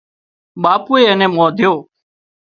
ٻاپوئي اين نين ٻانڌيو